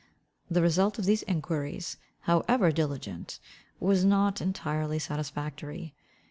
The result of these enquiries, however diligent, was not entirely satisfactory.